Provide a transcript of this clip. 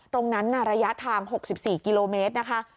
ตรงนั้นระยะทาง๖๔กิโลเมตรนะคะ